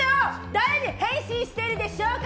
誰に変身してるでしょうか？